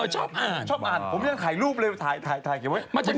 ชอบอ่านผมไม่ได้ขายรูปเลยถ่ายแค่ไหน